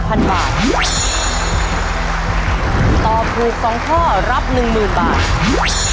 ตอบถูก๒ข้อรับ๑๐๐๐บาท